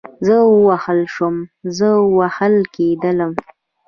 زه ووهل شوم, زه وهل کېدلم